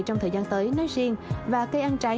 trong thời gian tới nói riêng và cây ăn trái